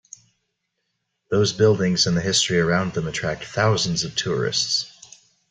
Those buildings and the history around them attract thousands of tourists.